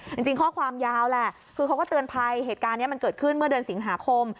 จริงข้อความยาวแหละคือเขาก็เตือนภัยเหตุการณ์นี้มันเกิดขึ้นเมื่อเดือนสิงหาคม